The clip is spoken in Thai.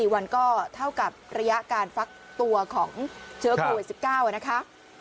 ๔วันก็เท่ากับระยะการฟักตัวของเชื้อโควิด๑๙นะคะ